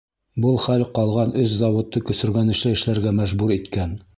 Был хәл ҡалған өс заводты көсөргәнешле эшләргә мәжбүр иткән.